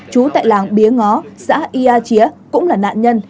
trú tại làng bía ngó dãi ea chía cũng là nạn nhân